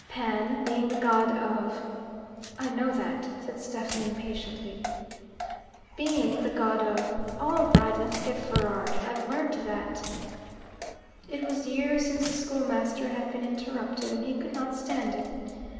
Pan, being the god of " "I know that," said Stephen impatiently. " Being the god of " "All right. Let's get furrard. I've learnt that." It was years since the schoolmaster had been interrupted, and he could not stand it.